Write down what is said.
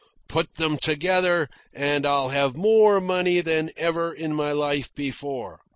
Put them together, and I'll have more money than ever in my life before.